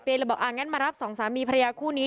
เดี๋ยวก็ต้องให้เป็นภาระเสียแล้วตอนนี้